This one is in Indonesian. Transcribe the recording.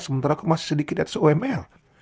sementara aku masih sedikit atas oml